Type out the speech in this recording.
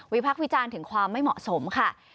พักวิจารณ์ถึงความไม่เหมาะสมค่ะ